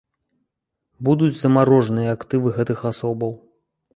Будуць замарожаныя актывы гэтых асобаў.